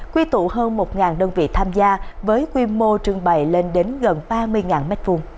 quy tụ hơn một đơn vị tham gia với quy mô trưng bày lên đến gần ba mươi m hai